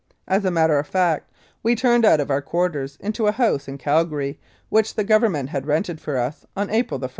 As a matter of fact we turned out of our quarters into a house in Calgary which the Govern ment had rented for us on April i.